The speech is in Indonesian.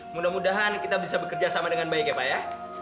mudah mudahan kita bisa bekerja sama dengan baik ya pak ya